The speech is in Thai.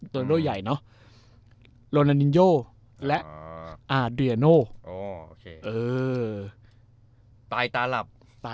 โรแนนโดใหญ่เนอะโรแนนิโยและอาเดียโนตายตาหลับ